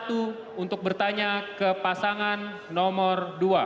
untuk bertanya ke pasangan nomor dua